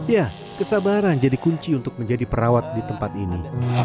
ya kesabaran jadi kunci untuk menjadi perawat di tempat ini